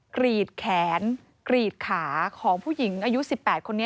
กรีดแขนกรีดขาของผู้หญิงอายุ๑๘คนนี้